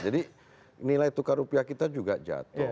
jadi nilai tukar rupiah kita juga jatuh